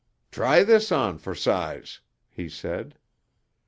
"Try this on for size," he said.